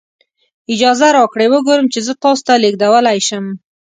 اجازه راکړئ وګورم چې زه تاسو ته لیږدولی شم.